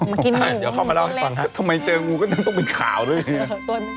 มากินหนูหนูน้ำเล่นค่ะทำไมเจองูก็ต้องเป็นข่าวด้วยเนี่ยตัวนึง